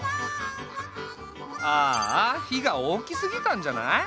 ああ火が大きすぎたんじゃない？